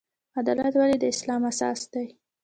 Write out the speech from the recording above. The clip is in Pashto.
عدالت ولې د اسلام اساس دی؟